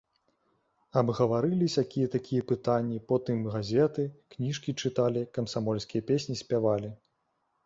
Абгаварылі сякія-такія пытанні, потым газеты, кніжкі чыталі, камсамольскія песні спявалі.